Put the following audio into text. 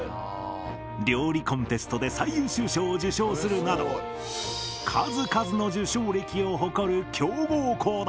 料理コンテストで最優秀賞を受賞するなど数々の受賞歴を誇る強豪校だ！